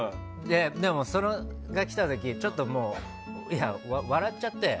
でも、それが来た時ちょっと、笑っちゃって。